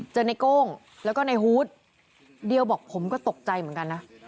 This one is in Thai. ในโก้งแล้วก็ในฮูตเดียวบอกผมก็ตกใจเหมือนกันนะ